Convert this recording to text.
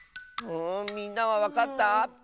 みんなはわかった？